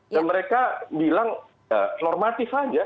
dan mereka bilang normatif aja